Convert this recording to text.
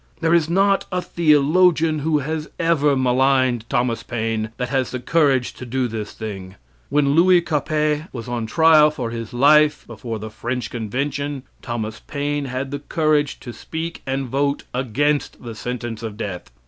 There is not a theologian who has ever maligned Thomas Paine that has the courage to do this thing. When Louis Capet was on trial for his life before the French convention, Thomas Paine had the courage to speak and vote against the sentence of death.